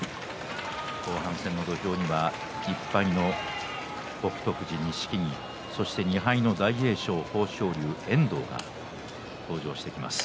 後半戦の土俵には１敗の北勝富士、錦木そして２敗の大栄翔、豊昇龍遠藤が登場してきます。